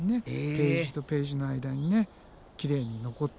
ページとページの間にきれいに残って。